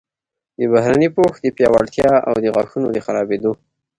د بهرني پوښ د پیاوړتیا او د غاښونو د خرابیدو